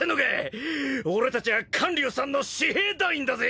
俺たちゃあ観柳さんの私兵団員だぜ！